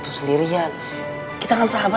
itu sendirian kita kan sahabat